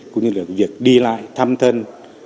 cũng như là việc đi lại thăm thân